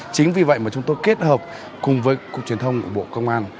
chính vì vậy mà chúng tôi kết hợp cùng với cục truyền thông của bộ công an